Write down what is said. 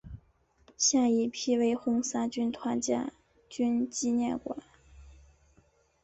现已辟为红三军团建军纪念馆。